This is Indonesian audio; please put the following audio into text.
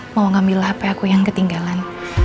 mau ngambil hp aku yang ketinggalan